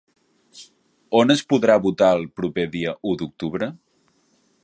On es podrà votar el proper dia u d'octubre?